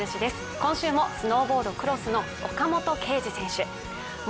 今週もスノーボードクロスの岡本圭司選手。